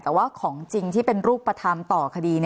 แต่ว่าของจริงที่เป็นรูปธรรมต่อคดี